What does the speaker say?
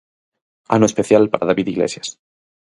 Ano especial para David Iglesias.